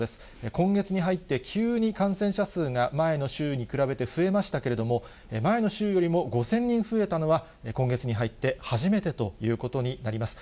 今月に入って急に感染者数が前の週に比べて増えましたけれども、前の週よりも５０００人増えたのは、今月に入って初めてということになります。